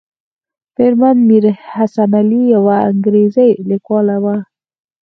مېرمن میر حسن علي یوه انګریزۍ لیکواله وه.